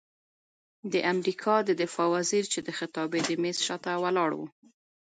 د امریکا د دفاع وزیر چې د خطابې د میز شاته ولاړ و،